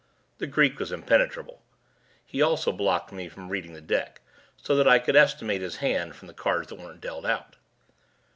The Greek was impenetrable; he also blocked me from reading the deck so that I could estimate his hand from the cards that weren't dealt out.